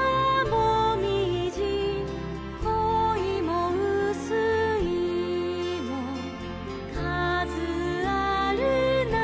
「こいもうすいもかずあるなかに」